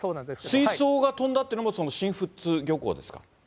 水槽が飛んだというのも、その新富津漁港ですか？